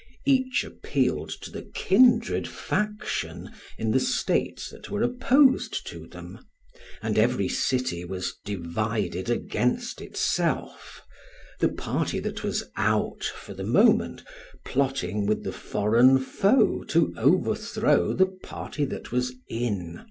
Each appealed to the kindred faction in the states that were opposed to them; and every city was divided against itself, the party that was "out" for the moment plotting with the foreign foe to overthrow the party that was "in."